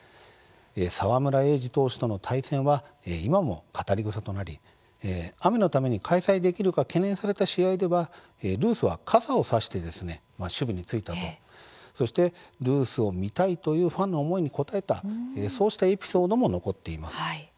沢村栄治投手との対戦は今も語りぐさとなり雨のために開催できるか懸念された試合ではニュースは傘を差して守備に就いたそしてルースを見たいというファンの思いに応えたというエピソードも残っています。